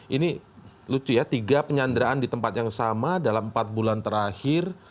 ini lucu ya tiga penyanderaan di tempat yang sama dalam empat bulan terakhir